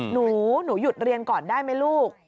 หนูหนูหยุดเรียนก่อนได้ไหมลูก